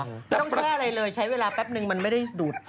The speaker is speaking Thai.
ไม่ต้องแช่อะไรเลยใช้เวลาแป๊บนึงมันไม่ได้ดูด